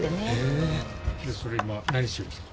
それ今何してるんですか？